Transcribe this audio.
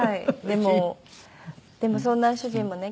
でもでもそんな主人もね